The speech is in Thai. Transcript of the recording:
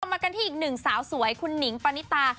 มากันที่อีกหนึ่งสาวสวยคุณหนิงปณิตา